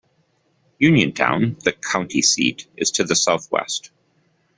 Uniontown, the county seat, is to the southwest.